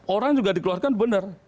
orang juga dikeluarkan benar